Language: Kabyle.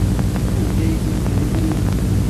Anda ay tent-tellmem?